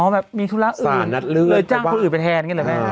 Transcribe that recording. อ๋อแบบมีสารนัดเลือดเลยจ้างคนอื่นไปแทน